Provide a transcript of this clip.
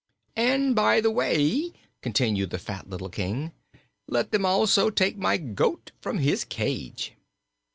"And, by the way," continued the fat little King, "let them also take my goat from his cage."